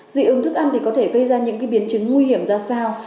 dị ứng thức ăn thì có thể gây ra những biến chứng nguy hiểm ra sao